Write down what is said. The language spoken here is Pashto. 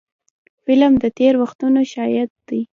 قلم د تېر وختونو شاهد دی